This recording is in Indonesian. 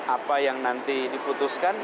apa yang nanti diputuskan